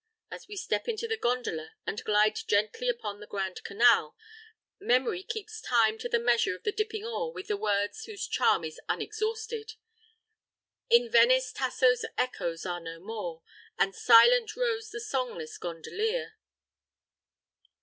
As we step into the gondola and glide gently upon the Grand Canal, memory keeps time to the measure of the dipping oar with the words whose charm is unexhausted: "In Venice Tasso's echoes are no more, And silent rows the songless gondolier."